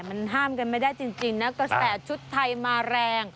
มันห้ามกันไม่ได้จริงนะกระแสชุดไทยมาแรง